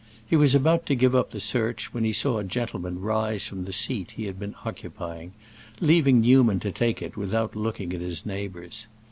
He was about to give up the search when he saw a gentleman rise from the seat he had been occupying, leaving Newman to take it without looking at his neighbors.